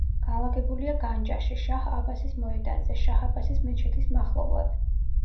განლაგებულია განჯაში, შაჰ აბასის მოედანზე, შაჰ აბასის მეჩეთის მახლობლად.